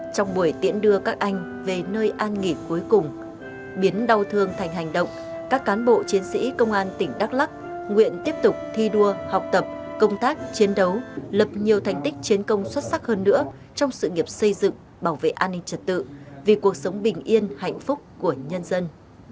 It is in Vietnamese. trong buổi tiễn đưa các anh về nơi an nghỉ cuối cùng biến đau thương thành hành động các cán bộ chiến sĩ công an tỉnh đắk lắc nguyện tiếp tục thi đua học tập công tác chiến đấu lập nhiều thành tích chiến công xuất sắc hơn nữa trong sự nghiệp xây dựng bảo vệ an ninh trật tự vì cuộc sống bình yên hạnh phúc của nhân dân